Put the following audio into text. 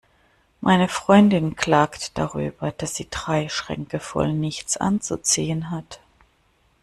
Meine Freundin klagt darüber, dass sie drei Schränke voll nichts anzuziehen hat.